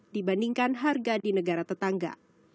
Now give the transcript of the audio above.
dibandingkan harga di negara tetangga